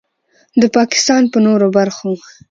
د پاکستان په نورو برخو